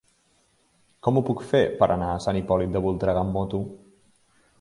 Com ho puc fer per anar a Sant Hipòlit de Voltregà amb moto?